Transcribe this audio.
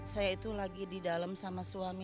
saya itu lagi di dalam sama suami